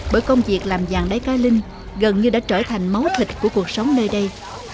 bởi công việc làm vàng đáy ca linh gần như đã trở thành máu thịt của cuộc sống nơi đây